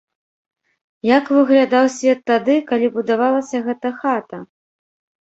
Як выглядаў свет тады, калі будавалася гэта хата?